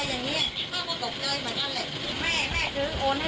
แต่ว่าลูกสาวกับแทบอย่างไม่ได้เห็นมา